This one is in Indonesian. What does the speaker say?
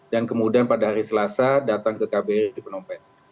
dan kemudian pada hari selasa datang ke kbri penompen